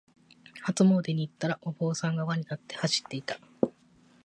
初詣に行ったら、お坊さんが輪になって走っていた。